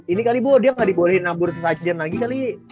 ini kali bu dia nggak diboleh nabur sesajen lagi kali